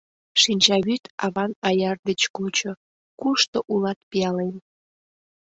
Шинчавӱд аван аяр деч кочо: — Кушто улат, пиалем?!